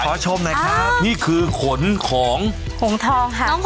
คุณผู้ชมนะครับนี่ค์คุนของหงษ์ทองค่ะ